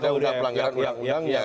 ada pelanggaran undang undangnya